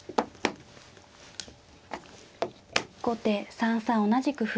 後手３三同じく歩。